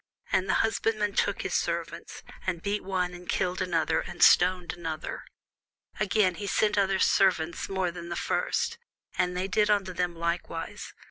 And the husbandmen took his servants, and beat one, and killed another, and stoned another. Again, he sent other servants more than the first: and they did unto them likewise.